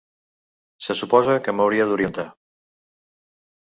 Se suposa que m'hauria d'orientar.